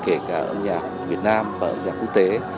kể cả âm nhạc việt nam và âm nhạc quốc tế